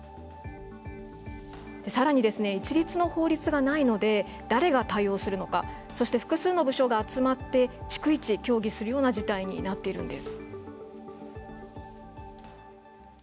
さらに一律の法律がないので誰が対応するのかそして、複数の部署が集まって逐一協議するような事態になっているんです。